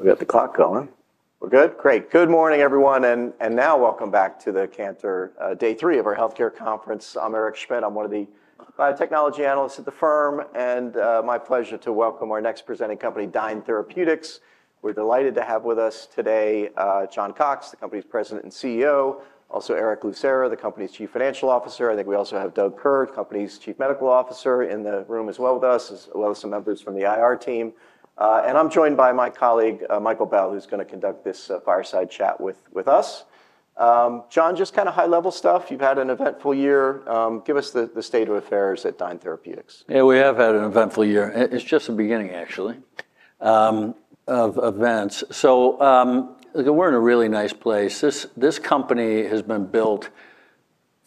We got the clock going. We're good. Great. Good morning, everyone. Now, welcome back to the Cantor, day three of our health care conference. I'm Eric Schmidt. I'm one of the biotechnology analysts at the firm. My pleasure to welcome our next presenting company, Dyne Therapeutics. We're delighted to have with us today John Cox, the company's President and CEO. Also, Eric Lucera, the company's Chief Financial Officer. I think we also have Doug Kerr, the company's Chief Medical Officer, in the room as well with us, as well as some members from the IR team. I'm joined by my colleague, Michael Bell, who's going to conduct this fireside chat with us. John, just kind of high-level stuff. You've had an eventful year. Give us the state of affairs at Dyne Therapeutics. Yeah, we have had an eventful year. It's just the beginning, actually, of events. We're in a really nice place. This company has been built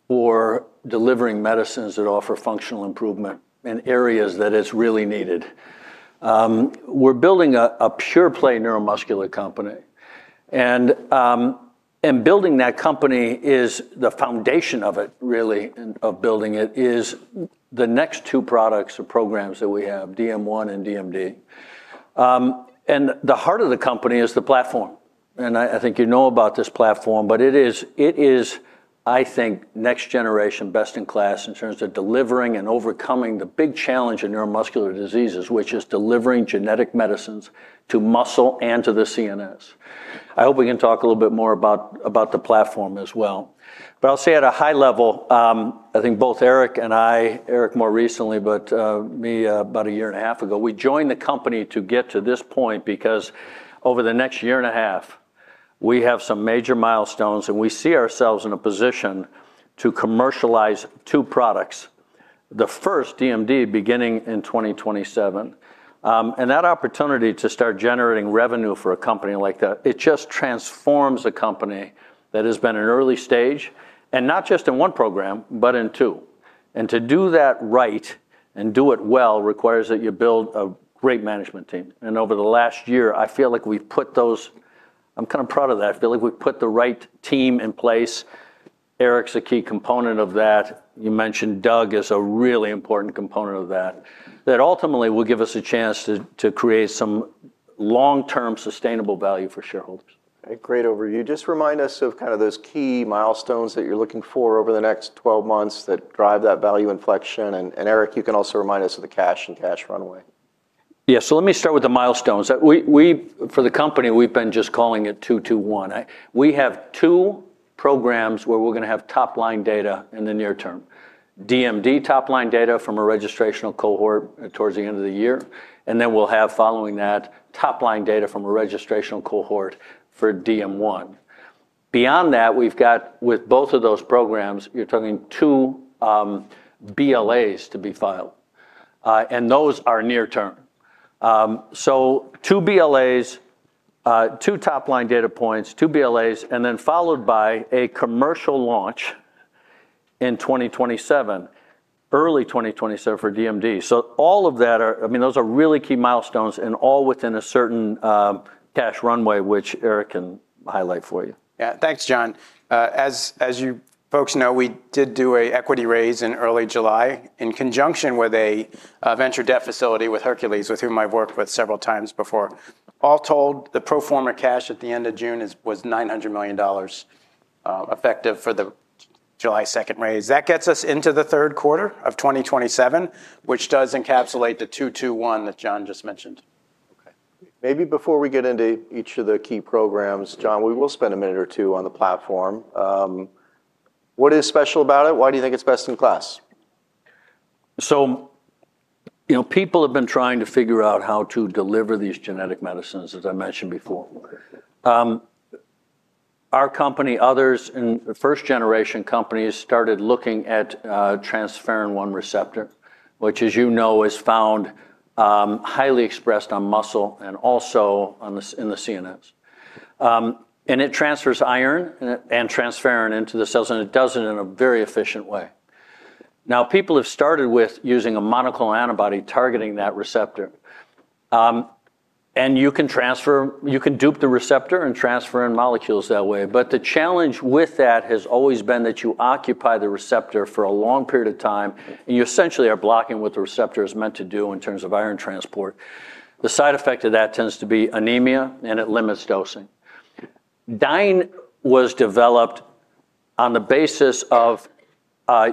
for delivering medicines that offer functional improvement in areas that it's really needed. We're building a pure-play neuromuscular company. Building that company is the foundation of it, really, of building it is the next two products or programs that we have, DM1 and DMD. The heart of the company is the platform. I think you know about this platform, but it is, I think, next generation, best in class in terms of delivering and overcoming the big challenge in neuromuscular diseases, which is delivering genetic medicines to muscle and to the CNS. I hope we can talk a little bit more about the platform as well. At a high level, I think both Eric and I, Eric more recently, but me about a year and a half ago, we joined the company to get to this point because over the next year and a half, we have some major milestones. We see ourselves in a position to commercialize two products, the first DMD, beginning in 2027. That opportunity to start generating revenue for a company like that, it just transforms a company that has been in an early stage, and not just in one program, but in two. To do that right and do it well requires that you build a great management team. Over the last year, I feel like we've put those, I'm kind of proud of that. I feel like we've put the right team in place. Eric's a key component of that. You mentioned Doug is a really important component of that. That ultimately will give us a chance to create some long-term sustainable value for shareholders. Great overview. Just remind us of kind of those key milestones that you're looking for over the next 12 months that drive that value inflection. Eric, you can also remind us of the cash and cash runway. Yeah, let me start with the milestones. For the company, we've been just calling it 2-2-1. We have two programs where we're going to have top-line data in the near term, DMD top-line data from a registrational cohort towards the end of the year. Then we'll have, following that, top-line data from a registrational cohort for DM1. Beyond that, with both of those programs, you're talking two BLAs to be filed. Those are near-term. Two BLAs, two top-line data points, two BLAs, and then followed by a commercial launch in 2027, early 2027 for DMD. All of that are, I mean, those are really key milestones and all within a certain cash runway, which Eric can highlight for you. Yeah, thanks, John. As you folks know, we did do an equity raise in early July in conjunction with a venture debt facility with Hercules, with whom I've worked with several times before. All told, the pro forma cash at the end of June was $900 million effective for the July 2nd raise. That gets us into the third quarter of 2027, which does encapsulate the 2-2-1 that John just mentioned. OK. Maybe before we get into each of the key programs, John, we will spend a minute or two on the platform. What is special about it? Why do you think it's best in class? People have been trying to figure out how to deliver these genetic medicines, as I mentioned before. Our company, others in the first-generation companies, started looking at transferrin receptor, which, as you know, is found highly expressed on muscle and also in the CNS. It transfers iron and transferrin into the cells, and it does it in a very efficient way. People have started with using a monoclonal antibody targeting that receptor. You can transfer, you can dupe the receptor and transfer in molecules that way. The challenge with that has always been that you occupy the receptor for a long period of time, and you essentially are blocking what the receptor is meant to do in terms of iron transport. The side effect of that tends to be anemia, and it limits dosing. Dyne Therapeutics was developed on the basis of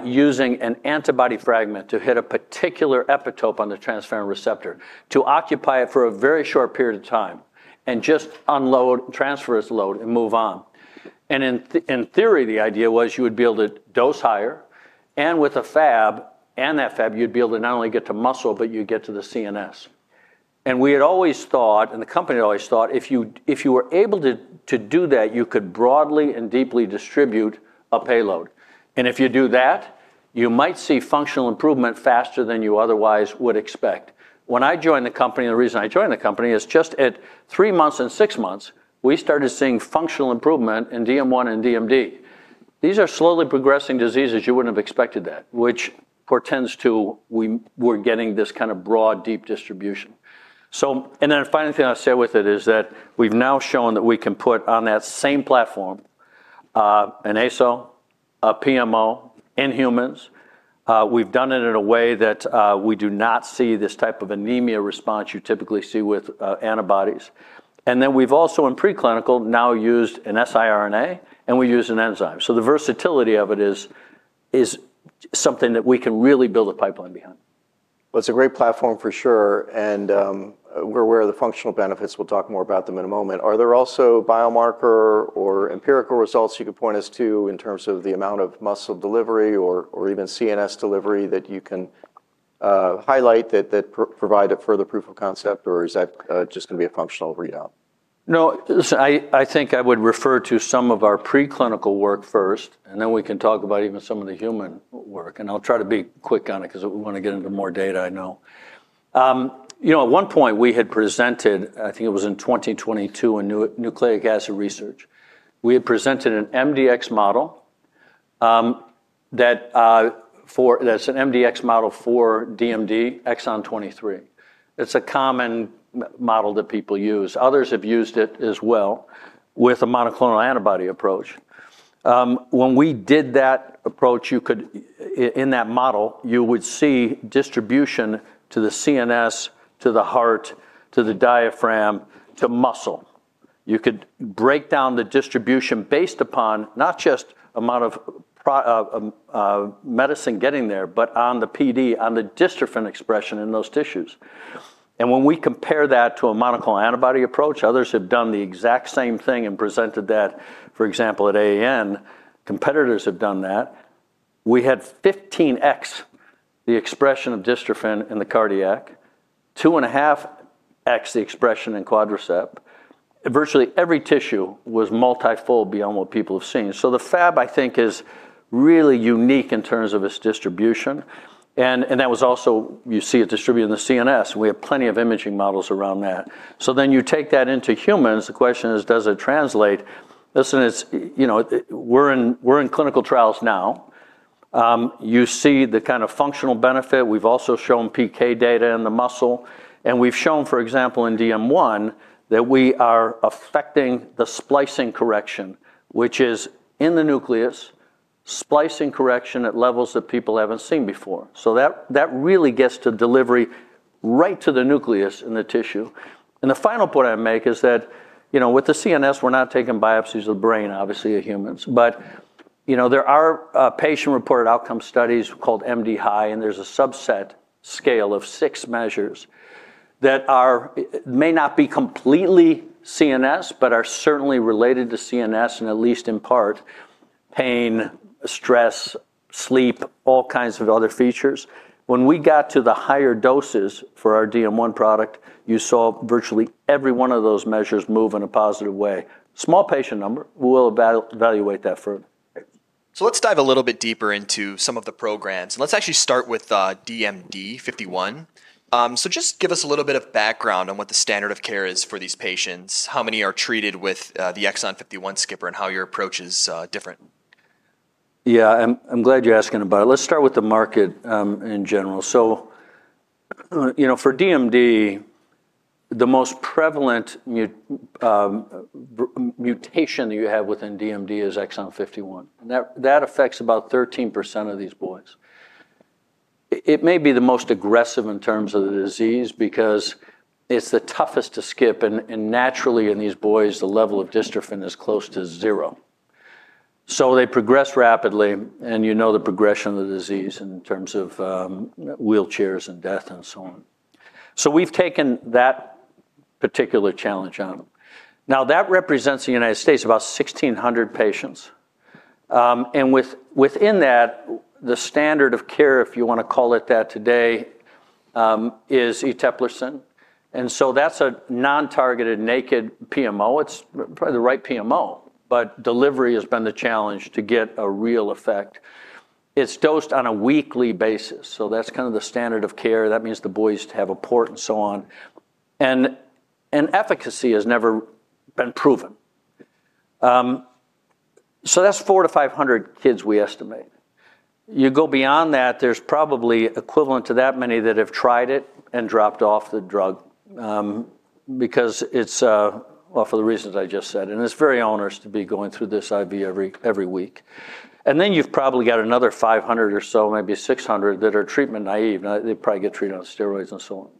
using an antibody fragment to hit a particular epitope on the transferrin receptor to occupy it for a very short period of time and just unload, transfer load, and move on. In theory, the idea was you would be able to dose higher. With a fab, and that fab, you'd be able to not only get to muscle, but you'd get to the CNS. We had always thought, and the company had always thought, if you were able to do that, you could broadly and deeply distribute a payload. If you do that, you might see functional improvement faster than you otherwise would expect. When I joined the company, the reason I joined the company is just at three months and six months, we started seeing functional improvement in DM1 and DMD. These are slowly progressing diseases; you wouldn't have expected that, which portends to we're getting this kind of broad, deep distribution. The final thing I'll say with it is that we've now shown that we can put on that same platform an ASO PMO in humans. We've done it in a way that we do not see this type of anemia response you typically see with antibodies. We've also, in preclinical, now used an siRNA, and we use an enzyme. The versatility of it is something that we can really build a pipeline behind. It is a great platform for sure. We're aware of the functional benefits. We'll talk more about them in a moment. Are there also biomarker or empirical results you could point us to in terms of the amount of muscle delivery or even CNS delivery that you can highlight that provide a further proof of concept? Is that just going to be a functional readout? No, listen, I think I would refer to some of our preclinical work first, and then we can talk about even some of the human work. I'll try to be quick on it because we want to get into more data, I know. At one point, we had presented, I think it was in 2022, a nucleic acid research. We had presented an MDX model that's an MDX model for DMD exon 23. It's a common model that people use. Others have used it as well with a monoclonal antibody approach. When we did that approach, you could, in that model, you would see distribution to the CNS, to the heart, to the diaphragm, to muscle. You could break down the distribution based upon not just the amount of medicine getting there, but on the PD, on the dystrophin expression in those tissues. When we compare that to a monoclonal antibody approach, others had done the exact same thing and presented that, for example, at AAN. Competitors have done that. We had 15x the expression of dystrophin in the cardiac, 2.5x the expression in quadricep. Virtually every tissue was multifold beyond what people have seen. The fab, I think, is really unique in terms of its distribution. That was also, you see it distributed in the CNS. We have plenty of imaging models around that. You take that into humans. The question is, does it translate? Listen, we're in clinical trials now. You see the kind of functional benefit. We've also shown PK data in the muscle. We've shown, for example, in DM1, that we are affecting the splicing correction, which is in the nucleus, splicing correction at levels that people haven't seen before. That really gets to delivery right to the nucleus in the tissue. The final point I'd make is that, with the CNS, we're not taking biopsies of the brain, obviously, in humans. There are patient-reported outcome studies called MD-High. There's a subset scale of six measures that may not be completely CNS, but are certainly related to CNS, and at least in part, pain, stress, sleep, all kinds of other features. When we got to the higher doses for our DM1 product, you saw virtually every one of those measures move in a positive way. Small patient number, we'll evaluate that further. Let's dive a little bit deeper into some of the programs. Let's actually start with DMD 51. Just give us a little bit of background on what the standard of care is for these patients, how many are treated with the exon 51 skipper, and how your approach is different. Yeah, I'm glad you're asking about it. Let's start with the market in general. For DMD, the most prevalent mutation that you have within DMD is exon 51. That affects about 13% of these boys. It may be the most aggressive in terms of the disease because it's the toughest to skip. Naturally, in these boys, the level of dystrophin is close to zero. They progress rapidly. You know the progression of the disease in terms of wheelchairs and death and so on. We've taken that particular challenge on. That represents, in the United States, about 1,600 patients. Within that, the standard of care, if you want to call it that today, is Eteplirsen. That's a non-targeted naked PMO. It's probably the right PMO, but delivery has been the challenge to get a real effect. It's dosed on a weekly basis. That's kind of the standard of care. That means the boys have a port and so on, and efficacy has never been proven. That's 400- 500 kids we estimate. You go beyond that, there's probably equivalent to that many that have tried it and dropped off the drug because it's for the reasons I just said. It's very onerous to be going through this IV every week. Then you've probably got another 500 or so, maybe 600, that are treatment naive. They probably get treated on steroids and so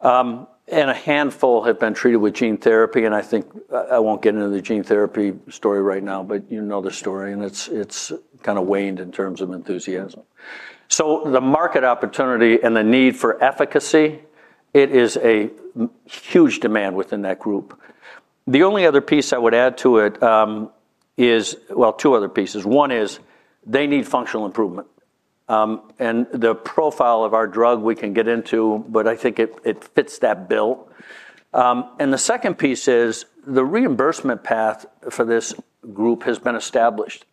on. A handful have been treated with gene therapy. I think I won't get into the gene therapy story right now, but you know the story, and it's kind of waned in terms of enthusiasm. The market opportunity and the need for efficacy, it is a huge demand within that group. The only other piece I would add to it is, well, two other pieces. One is they need functional improvement, and the profile of our drug we can get into, but I think it fits that bill. The second piece is the reimbursement path for this group has been established.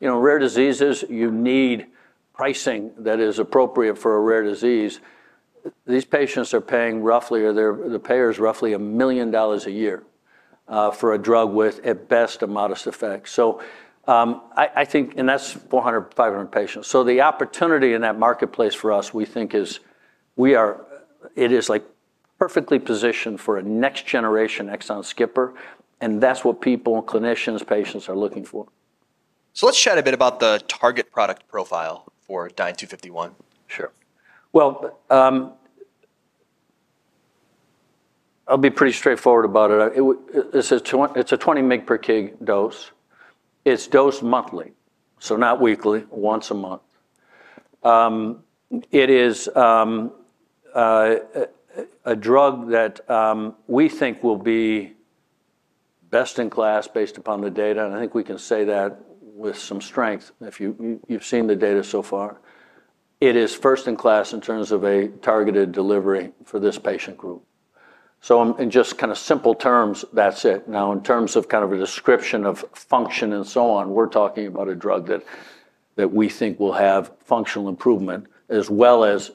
Rare diseases, you need pricing that is appropriate for a rare disease. These patients are paying roughly, or the payer is roughly, $1 million a year for a drug with, at best, a modest effect. I think, and that's 400, 500 patients. The opportunity in that marketplace for us, we think, is we are, it is like perfectly positioned for a next-generation exon skipper. That's what people, clinicians, patients are looking for. Let's chat a bit about the target product profile for DYNE-251. Sure. I'll be pretty straightforward about it. It's a 20 mg per kg dose. It's dosed monthly, not weekly, once a month. It is a drug that we think will be best in class based upon the data, and I think we can say that with some strength if you've seen the data so far. It is first in class in terms of a targeted delivery for this patient group. In simple terms, that's it. In terms of a description of function and so on, we're talking about a drug that we think will have functional improvement as well as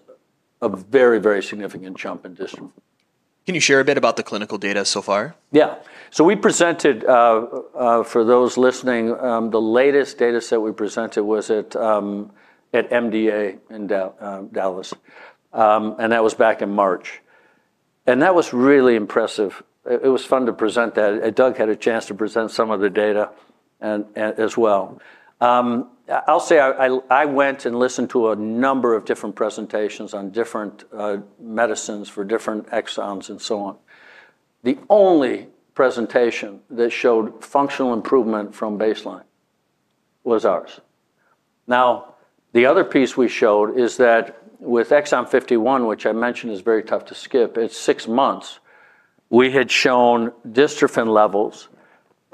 a very, very significant jump in distance. Can you share a bit about the clinical data so far? Yeah. We presented, for those listening, the latest data set we presented was at MDA in Dallas. That was back in March. That was really impressive. It was fun to present that. Doug had a chance to present some of the data as well. I went and listened to a number of different presentations on different medicines for different exons and so on. The only presentation that showed functional improvement from baseline was ours. The other piece we showed is that with exon 51, which I mentioned is very tough to skip, it's six months. We had shown dystrophin levels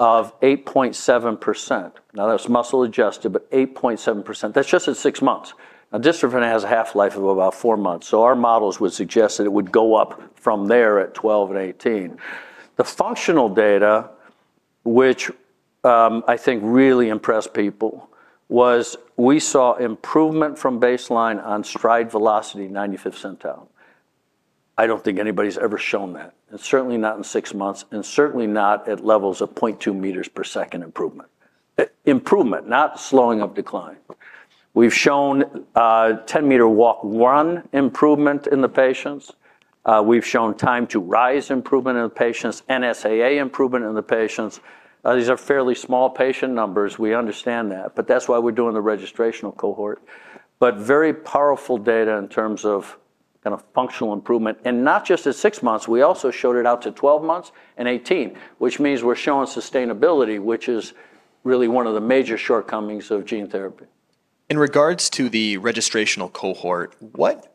of 8.7%. That's muscle-adjusted, but 8.7%. That's just at six months. Dystrophin has a half-life of about four months. Our models would suggest that it would go up from there at 12 and 18. The functional data, which I think really impressed people, was we saw improvement from baseline on stride velocity, 95th centile. I don't think anybody's ever shown that, and certainly not in six months, and certainly not at levels of 0.2 m per second improvement. Improvement, not slowing up decline. We've shown 1 m walk run improvement in the patients. We've shown time to rise improvement in the patients, NSAA improvement in the patients. These are fairly small patient numbers. We understand that. That's why we're doing the registrational cohort. Very powerful data in terms of kind of functional improvement. Not just at six months, we also showed it out to 12 months and 18, which means we're showing sustainability, which is really one of the major shortcomings of gene therapy. In regards to the registrational cohort, what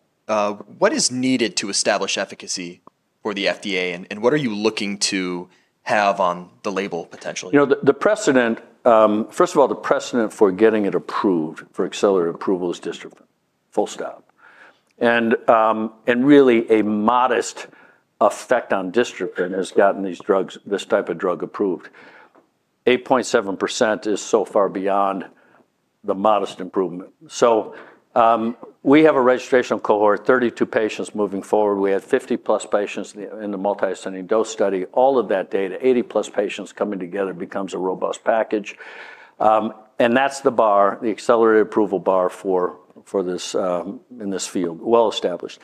is needed to establish efficacy for the FDA? What are you looking to have on the label, potentially? The precedent, first of all, the precedent for getting it approved for accelerated approval is dystrophin, full stop. Really, a modest effect on dystrophin has gotten these drugs, this type of drug approved. 8.7% is so far beyond the modest improvement. We have a registration cohort, 32 patients moving forward. We had 50-plus patients in the multisending dose study. All of that data, 80-plus patients coming together, becomes a robust package. That's the bar, the accelerated approval bar for this in this field, well established.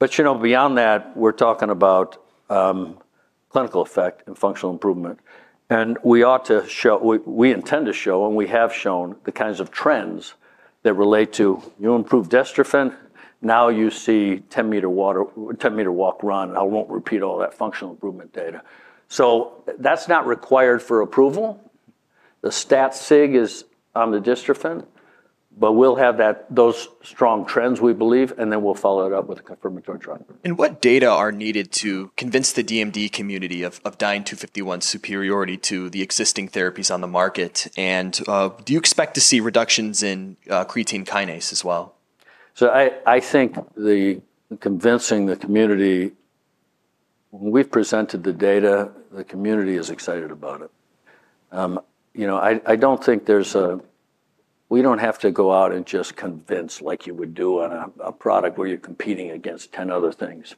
Beyond that, we're talking about clinical effect and functional improvement. We ought to show, we intend to show, and we have shown the kinds of trends that relate to improved dystrophin. Now you see 10-m walk run. I won't repeat all that functional improvement data. That's not required for approval. The stat sig is on the dystrophin. We'll have those strong trends, we believe. We'll follow it up with a confirmatory trial. What data are needed to convince the DMD community of DYNE-251's superiority to the existing therapies on the market? Do you expect to see reductions in creatine kinase as well? I think convincing the community, when we've presented the data, the community is excited about it. I don't think there's a, we don't have to go out and just convince like you would do on a product where you're competing against 10 other things.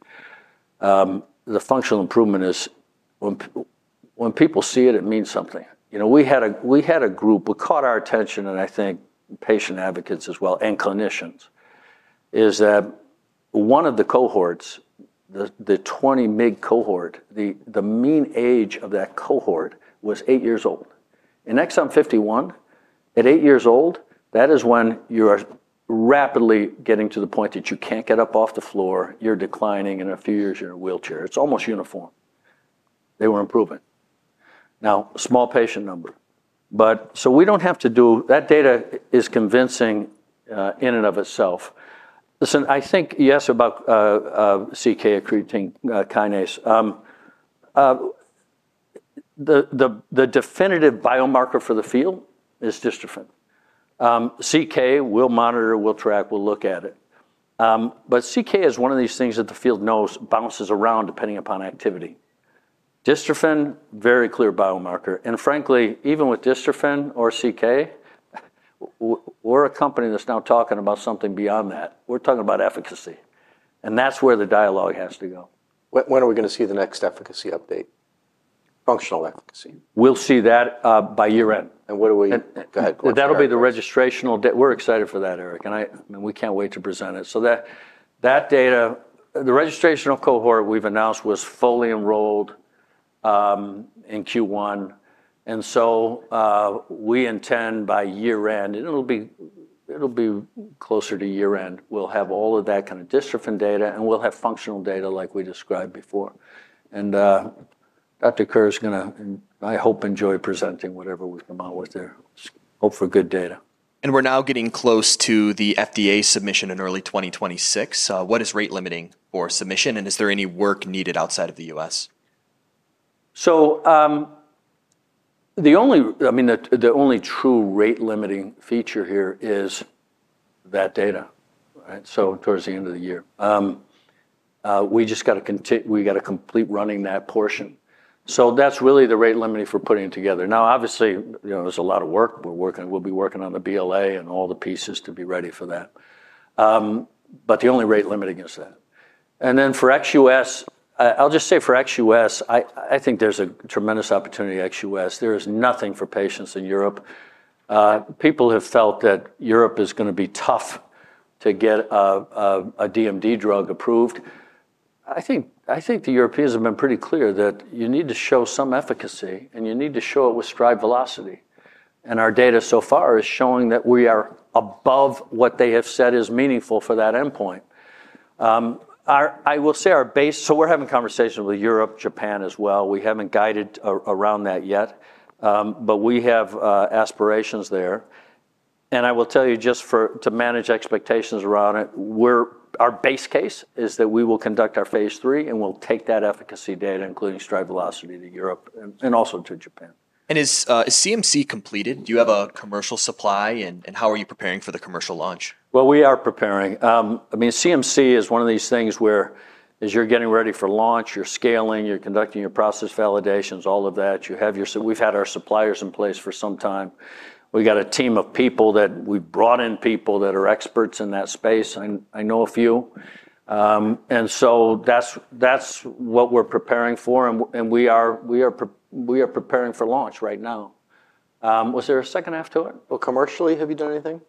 The functional improvement is when people see it, it means something. We had a group, it caught our attention, and I think patient advocates as well and clinicians, is that one of the cohorts, the 20-mg cohort, the mean age of that cohort was eight years old. In exon 51, at eight years old, that is when you are rapidly getting to the point that you can't get up off the floor. You're declining. In a few years, you're in a wheelchair. It's almost uniform. They were improving. Small patient number. That data is convincing in and of itself. I think you asked about CK, creatine kinase. The definitive biomarker for the field is dystrophin. CK, we'll monitor, we'll track, we'll look at it. CK is one of these things that the field knows bounces around depending upon activity. Dystrophin, very clear biomarker. Frankly, even with dystrophin or CK, we're a company that's now talking about something beyond that. We're talking about efficacy. That's where the dialogue has to go. When are we going to see the next efficacy update, functional efficacy? will see that by year end. What are we, go ahead. That'll be the registrational data. We're excited for that, Eric. I mean, we can't wait to present it. That data, the registrational cohort we've announced was fully enrolled in Q1. We intend by year end, and it'll be closer to year end, we'll have all of that kind of dystrophin data. We'll have functional data like we described before. Dr. Kerr is going to, I hope, enjoy presenting whatever we come out with there. Hope for good data. We are now getting close to the FDA submission in early 2026. What is rate limiting for submission? Is there any work needed outside of the U.S.? The only true rate-limiting feature here is that data, right? Towards the end of the year, we just got to continue, we got to complete running that portion. That's really the rate limiting for putting it together. Obviously, you know, there's a lot of work. We'll be working on the BLA and all the pieces to be ready for that. The only rate limiting is that. For ex-U.S., I'll just say for ex-U.S., I think there's a tremendous opportunity at ex-U.S. There is nothing for patients in Europe. People have felt that Europe is going to be tough to get a DMD drug approved. I think the Europeans have been pretty clear that you need to show some efficacy, and you need to show it with stride velocity. Our data so far is showing that we are above what they have said is meaningful for that endpoint. I will say our base, so we're having conversations with Europe, Japan as well. We haven't guided around that yet, but we have aspirations there. I will tell you, just to manage expectations around it, our base case is that we will conduct our phase three, and we'll take that efficacy data, including stride velocity, to Europe and also to Japan. Is CMC completed? Do you have a commercial supply? How are you preparing for the commercial launch? CMC is one of these things where, as you're getting ready for launch, you're scaling, you're conducting your process validations, all of that. We've had our suppliers in place for some time. We got a team of people that we brought in, people that are experts in that space. I know a few. That's what we're preparing for, and we are preparing for launch right now. Was there a second half to it? Commercially, have you done anything?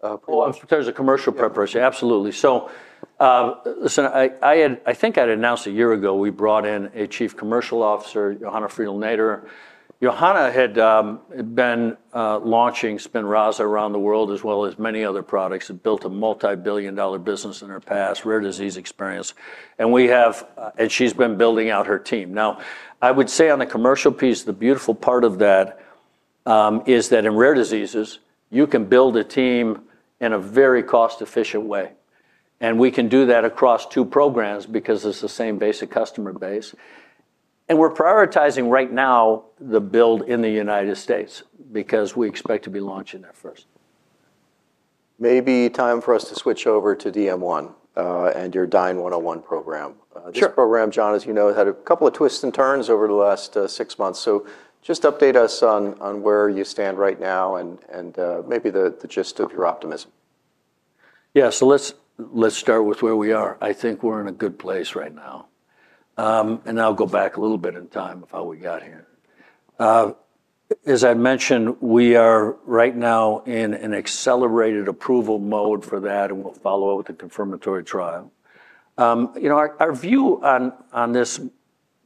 There is a commercial preparation, absolutely. I think I announced a year ago, we brought in a Chief Commercial Officer, Johanna Friedel-Neider. Johanna had been launching Spinraza around the world, as well as many other products. She had built a multibillion-dollar business in her past, rare disease experience. She's been building out her team. I would say on the commercial piece, the beautiful part of that is that in rare diseases, you can build a team in a very cost-efficient way. We can do that across two programs because it's the same basic customer base. We're prioritizing right now the build in the United States because we expect to be launching that first. Maybe time for us to switch over to DM1 and your DYNE-101 program. This program, John, as you know, had a couple of twists and turns over the last six months. Just update us on where you stand right now and maybe the gist of your optimism. Yeah, so let's start with where we are. I think we're in a good place right now. I'll go back a little bit in time of how we got here. As I mentioned, we are right now in an accelerated approval mode for that, and we'll follow up with a confirmatory trial. Our view on this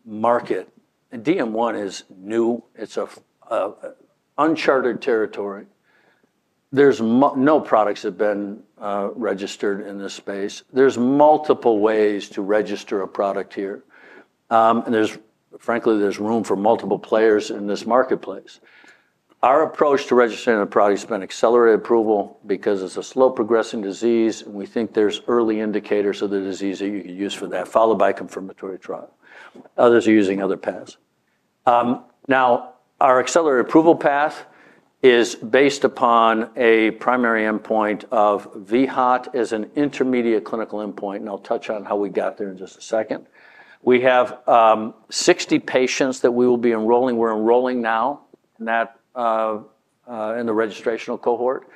market, DM1, is new. It's uncharted territory. There's no products that have been registered in this space. There's multiple ways to register a product here. Frankly, there's room for multiple players in this marketplace. Our approach to registering a product has been accelerated approval because it's a slow-progressing disease, and we think there's early indicators of the disease that you could use for that, followed by a confirmatory trial. Others are using other paths. Our accelerated approval path is based upon a primary endpoint of VHOT as an intermediate clinical endpoint. I'll touch on how we got there in just a second. We have 60 patients that we will be enrolling. We're enrolling now in the registrational cohort.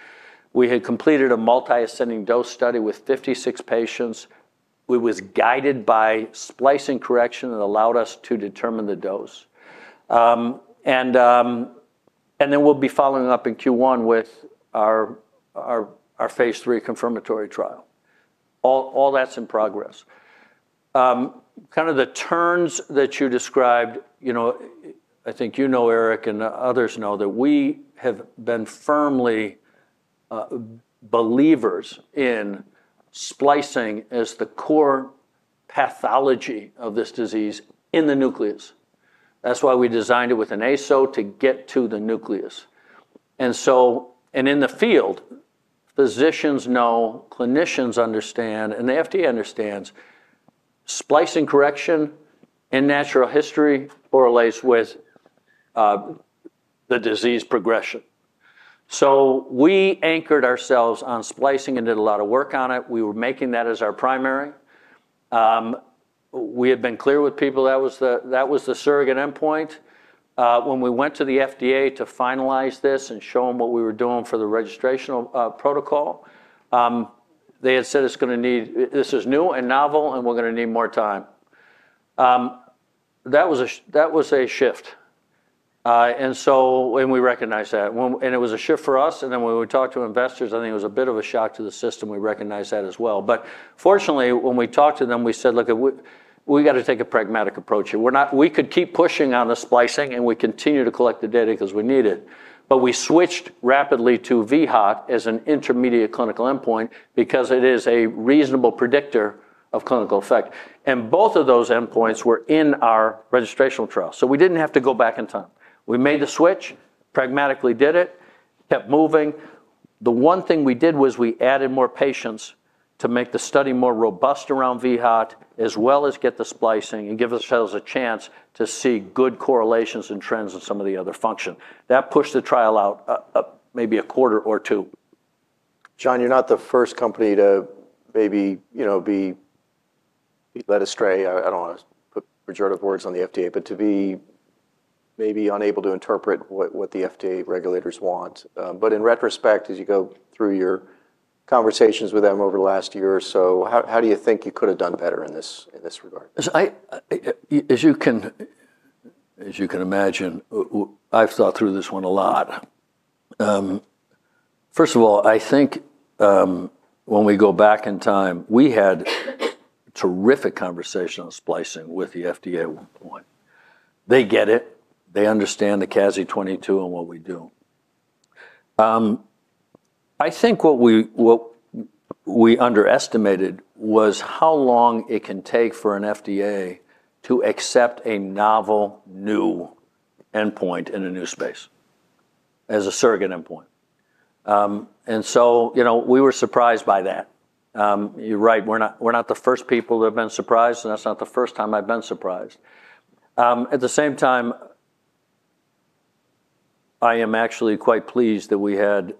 We had completed a multi-sending dose study with 56 patients. It was guided by splicing correction that allowed us to determine the dose, and then we'll be following up in Q1 with our phase III confirmatory trial. All that's in progress. Kind of the turns that you described, I think you know, Eric, and others know that we have been firmly believers in splicing as the core pathology of this disease in the nucleus. That's why we designed it with an ASO to get to the nucleus. In the field, physicians know, clinicians understand, and the FDA understands, splicing correction and natural history correlates with the disease progression. We anchored ourselves on splicing and did a lot of work on it. We were making that as our primary. We had been clear with people that was the surrogate endpoint. When we went to the FDA to finalize this and show them what we were doing for the registrational protocol, they had said it's going to need, this is new and novel, and we're going to need more time. That was a shift, and we recognized that. It was a shift for us. When we talked to investors, I think it was a bit of a shock to the system. We recognized that as well. Fortunately, when we talked to them, we said, look, we got to take a pragmatic approach here. We could keep pushing on the splicing, and we continue to collect the data because we need it. We switched rapidly to VHOT as an intermediate clinical endpoint because it is a reasonable predictor of clinical effect. Both of those endpoints were in our registrational trial, so we didn't have to go back in time. We made the switch, pragmatically did it, kept moving. The one thing we did was we added more patients to make the study more robust around VHOT, as well as get the splicing and give ourselves a chance to see good correlations and trends in some of the other function. That pushed the trial out maybe a quarter or two. John, you're not the first company to maybe, you know, be led astray. I don't want to put pejorative words on the FDA, but to be maybe unable to interpret what the FDA regulators want. In retrospect, as you go through your conversations with them over the last year or so, how do you think you could have done better in this regard? As you can imagine, I've thought through this one a lot. First of all, I think when we go back in time, we had terrific conversations on splicing with the FDA at one point. They get it. They understand the CASI 22 and what we do. I think what we underestimated was how long it can take for an FDA to accept a novel, new endpoint in a new space as a surrogate endpoint. We were surprised by that. You're right. We're not the first people that have been surprised. That's not the first time I've been surprised. At the same time, I am actually quite pleased that we had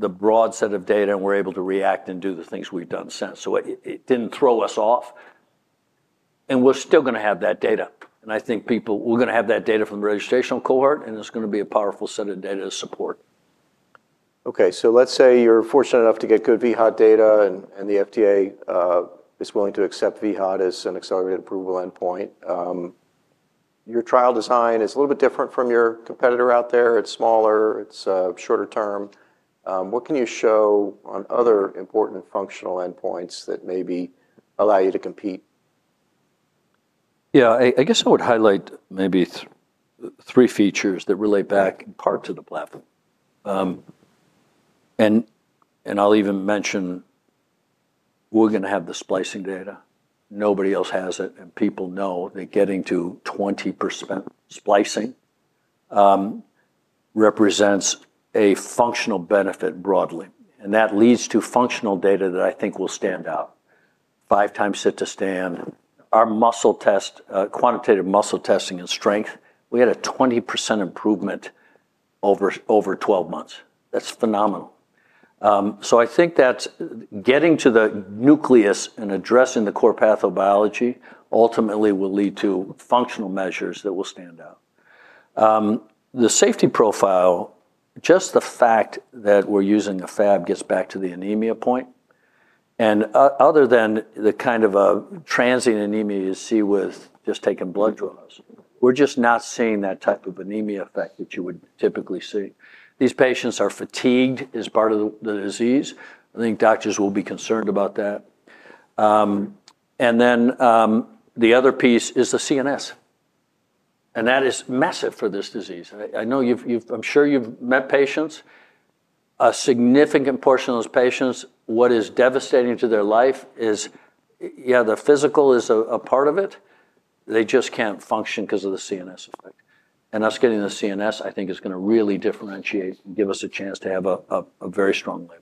the broad set of data and were able to react and do the things we've done since. It didn't throw us off. We're still going to have that data. I think people, we're going to have that data from the registrational cohort. It's going to be a powerful set of data to support. OK, let's say you're fortunate enough to get good VHOT data. If the FDA is willing to accept VHOT as an accelerated approval endpoint, your trial design is a little bit different from your competitor out there. It's smaller. It's shorter term. What can you show on other important functional endpoints that maybe allow you to compete? Yeah, I guess I would highlight maybe three features that relate back in part to the platform. I'll even mention we're going to have the splicing data. Nobody else has it. People know that getting to 20% splicing represents a functional benefit broadly, and that leads to functional data that I think will stand out. Five times sit to stand, our muscle test, quantitative muscle testing and strength, we had a 20% improvement over 12 months. That's phenomenal. I think that getting to the nucleus and addressing the core pathobiology ultimately will lead to functional measures that will stand out. The safety profile, just the fact that we're using a fab, gets back to the anemia point. Other than the kind of transient anemia you see with just taking blood draws, we're just not seeing that type of anemia effect that you would typically see. These patients are fatigued as part of the disease. I think doctors will be concerned about that. The other piece is the CNS, and that is massive for this disease. I know you've, I'm sure you've met patients. A significant portion of those patients, what is devastating to their life is, yeah, the physical is a part of it. They just can't function because of the CNS effect. Us getting the CNS, I think, is going to really differentiate and give us a chance to have a very strong label.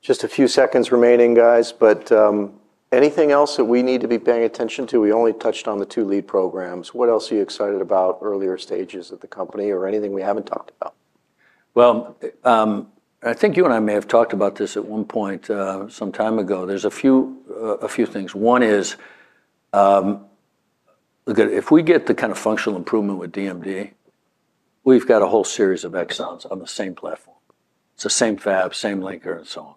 Just a few seconds remaining, guys. Anything else that we need to be paying attention to? We only touched on the two lead programs. What else are you excited about, earlier stages of the company, or anything we haven't talked about? I think you and I may have talked about this at one point some time ago. There's a few things. One is, if we get the kind of functional improvement with DMD, we've got a whole series of exons on the same platform. It's the same fab, same linker, and so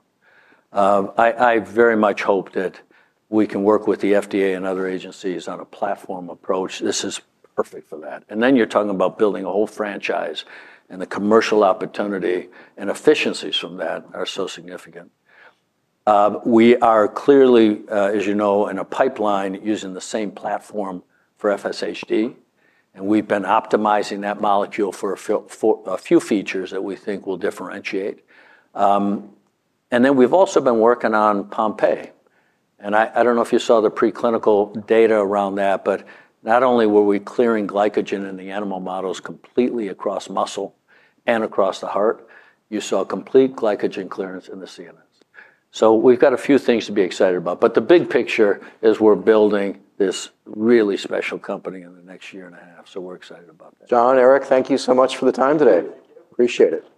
on. I very much hope that we can work with the FDA and other agencies on a platform approach. This is perfect for that. You're talking about building a whole franchise. The commercial opportunity and efficiencies from that are so significant. We are clearly, as you know, in a pipeline using the same platform for FSHD. We've been optimizing that molecule for a few features that we think will differentiate. We've also been working on Pompe. I don't know if you saw the preclinical data around that. Not only were we clearing glycogen in the animal models completely across muscle and across the heart, you saw complete glycogen clearance in the CNS. We've got a few things to be excited about. The big picture is we're building this really special company in the next year and a half. We're excited about that. John, Eric, thank you so much for the time today. Appreciate it.